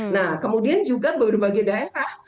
nah kemudian juga beberapa daerah